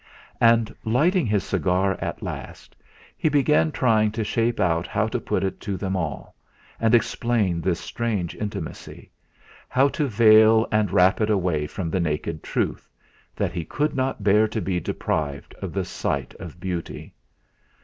And lighting his cigar at last, he began trying to shape out how to put it to them all, and explain this strange intimacy; how to veil and wrap it away from the naked truth that he could not bear to be deprived of the sight of beauty.